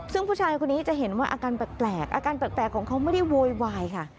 ซึ่งผู้ชายคนนี้จะเห็นว่าอาการแปลกอาการแปลกของเขาไม่ได้โวยวายค่ะ